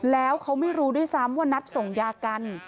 แล้วเขาไม่รู้ด้วยซ้ำว่านัดส่งยากัน